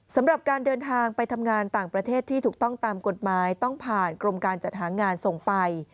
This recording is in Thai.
สำหรับการเดินทางไปทำงานต่างประเทศที่ถูกต้องตามกฎหมายต้องผ่านกรมการจัดหางานส่งไป